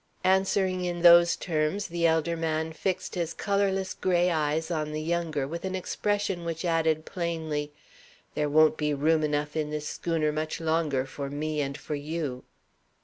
Answering in those terms, the elder man fixed his colorless gray eyes on the younger with an expression which added plainly, "There won't be room enough in this schooner much longer for me and for you."